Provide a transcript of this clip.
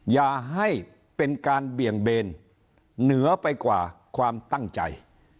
อย่าให้เป็นการเบี่ยงเบนเหนือไปกว่าความตั้งใจ